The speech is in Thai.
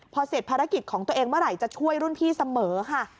พอเสร็จภารกิจของตัวเองเมื่อไหร่จะช่วยรุ่นพี่เสมอค่ะ